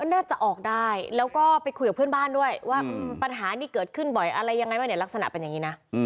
น่าจะออกได้แล้วก็ไปคุยกับเพื่อนบ้านด้วยว่าปัญหานี้เกิดขึ้นบ่อยอะไรยังไงบ้างเนี่ยลักษณะเป็นอย่างนี้นะ